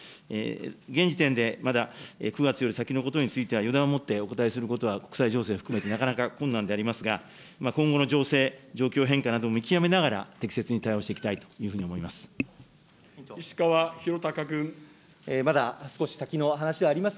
現時点でまだ９月より先のことについては、予断をもってお答えすることは、国際情勢含めてなかなか困難でありますが、今後の情勢、状況変化などを見極めながら、適切に対応していきたいというふうに思います。